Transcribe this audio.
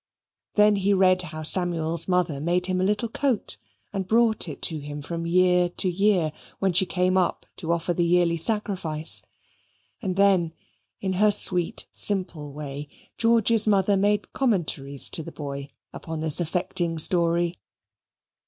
Then he read how Samuel's mother made him a little coat and brought it to him from year to year when she came up to offer the yearly sacrifice. And then, in her sweet simple way, George's mother made commentaries to the boy upon this affecting story.